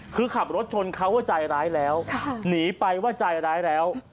คือขับรถชนเขาว่าใจร้ายแล้วหนีไปว่าใจร้ายแล้ว